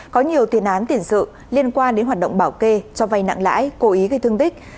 có nhiều tiền án tiền sự liên quan đến hoạt động bảo kê cho vay nặng lãi cố ý gây thương tích